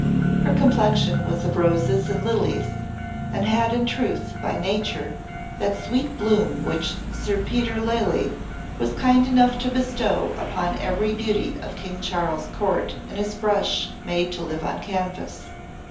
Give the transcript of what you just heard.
Her complexion was of roses and lilies, and had in truth by nature that sweet bloom which Sir Peter Lely was kind enough to bestow upon every beauty of King Charles's court his brush made to live on canvas.